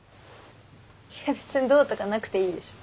いや別にどうとかなくていいでしょ。